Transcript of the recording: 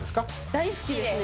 大好きですね。